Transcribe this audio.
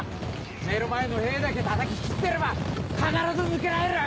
目の前の兵だけ叩き斬ってれば必ず抜けられる！